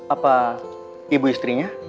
apa ibu istrinya